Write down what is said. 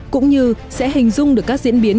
cũng như sẽ hình dung được các diễn biến